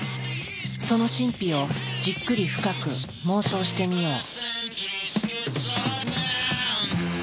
その神秘をじっくり深く妄想してみよう。